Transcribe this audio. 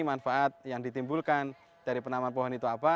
manfaat yang ditimbulkan dari penanaman pohon itu apa